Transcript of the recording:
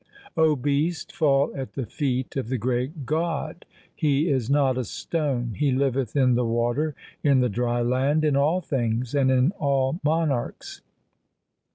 O beast, fall at the feet of the great God ; He is not a stone. He liveth in the water, in the dry land, in all things, and in all monarchs.